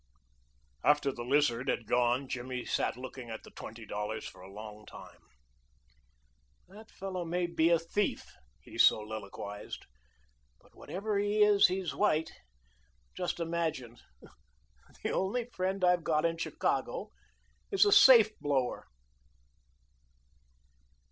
After the Lizard had gone Jimmy sat looking at the twenty dollars for a long time. "That fellow may be a thief," he soliloquized, "but whatever he is he's white. Just imagine, the only friend I've got in Chicago is a safe blower."